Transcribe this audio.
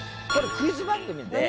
クイズ番組。